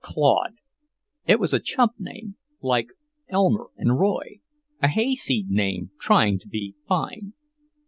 Claude: it was a "chump" name, like Elmer and Roy; a hayseed name trying to be fine.